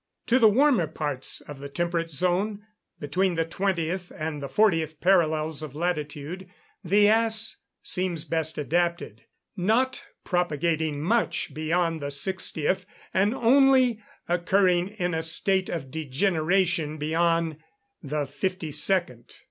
To the warmer parts of the temperate zone, between the 20th and the 40th parallels of latitude, the ass seems best adapted, not propagating much beyond the 60th, and only occurring in a state of degeneration beyond the 52nd.